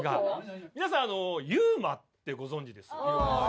・皆さんＵＭＡってご存じですか？